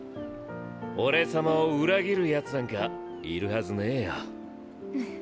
俺様を裏切る奴なんかいるはずねぇよ。